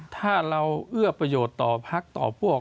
ถ้าเราเอื้อประโยชน์ต่อพักต่อพวก